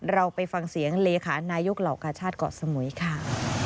เราไปฟังเสียงเลขานายกเหล่ากาชาติเกาะสมุยค่ะ